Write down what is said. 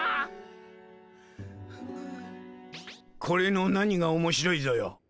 これの何が面白いぞよ？